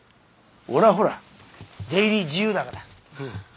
俺はほら出入り自由だから。